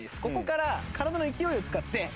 ここから体の勢いを使って。